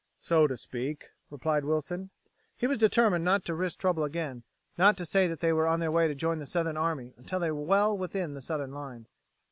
"So to speak," replied Wilson. He was determined not to risk trouble again, not to say that they were on their way to join the Southern army until they were well within the Southern lines.